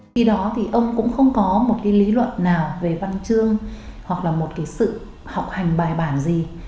khi đó thì ông cũng không có một cái lý luận nào về văn chương hoặc là một cái sự học hành bài bản gì